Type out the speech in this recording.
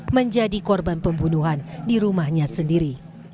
menjadi korban pembunuhan di rumahnya sendiri